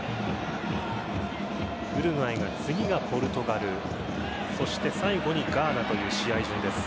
ウルグアイが次がポルトガルそして最後にガーナという試合順です。